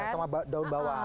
garam aja sama daun bawang